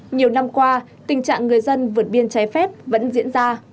nhiều năm qua tình trạng người dân vượt biên trái phép vẫn diễn ra